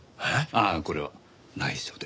ああこれは内緒で。